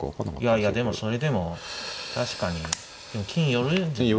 いやいやでもそれでも確かに金寄るんですね